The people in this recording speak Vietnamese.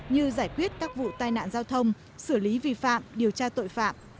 như giải quyết các vụ tai nạn giao thông xử lý vi phạm điều tra tội phạm